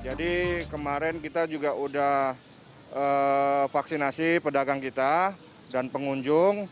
jadi kemarin kita juga sudah vaksinasi pedagang kita dan pengunjung